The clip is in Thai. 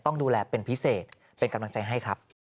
ต้องดูแลเป็นพิเศษเป็นกำลังใจให้ครับ